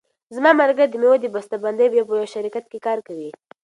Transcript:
زما ملګری د مېوو د بسته بندۍ په یوه شرکت کې کار کوي.